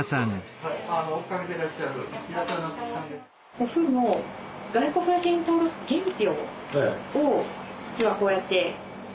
祖父の外国人登録原票を実はこうやって。